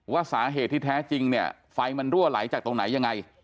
ว่าสาเหตุที่แท้จริงเนี่ยไฟมันรั่วไหลจากตรงไหนยังไง